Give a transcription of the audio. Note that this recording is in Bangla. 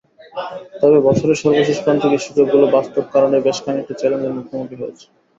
তবে, বছরের সর্বশেষ প্রান্তিকে সূচকগুলো বাস্তব কারণেই বেশ খানিকটা চ্যালেঞ্জের মুখোমুখি হয়েছে।